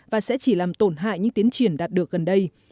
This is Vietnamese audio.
và sẽ chỉ làm tổn hại những tiến triển đạt được gần đây